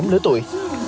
nhóm lứa tuổi